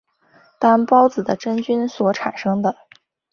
担孢子的真菌所产生的。